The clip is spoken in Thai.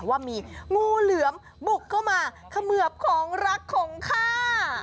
ว่ามีงูเหลือมบุกเข้ามาเขมือบของรักของข้า